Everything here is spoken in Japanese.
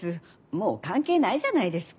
もう関係ないじゃないですか。